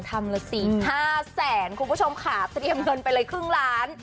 ทำละสิ๕๐๐๐๐๐คุณผู้ชมค่ะเตรียมเงินไปเลยครึ่งล้าน